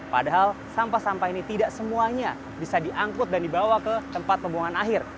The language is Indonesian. padahal sampah sampah ini tidak semuanya bisa diangkut dan dibawa ke tempat pembuangan akhir